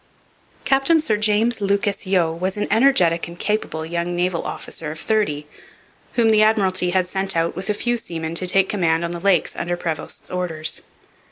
Captain Sir James Lucas Yeo was an energetic and capable young naval officer of thirty, whom the Admiralty had sent out with a few seamen to take command on the Lakes under Prevost's orders.